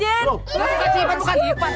loh bukaan si ipan bukaan si ipan